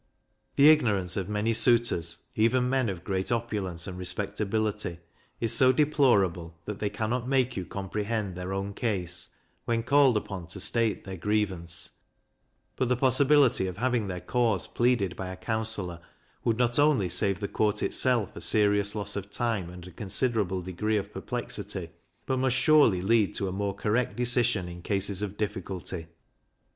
The ignorance of many suitors, even men of great opulence and respectability, is so deplorable that they cannot make you comprehend their own case, when called upon to state their grievance; but the possibility of having their cause pleaded by a counsellor would not only save the court itself a serious loss of time and a considerable degree of perplexity, but must surely lead to a more correct decision in cases of difficulty.